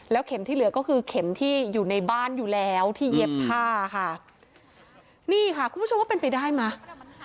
เข็มที่เหลือก็คือเข็มที่อยู่ในบ้านอยู่แล้วที่เย็บผ้าค่ะนี่ค่ะคุณผู้ชมว่าเป็นไปได้ไหม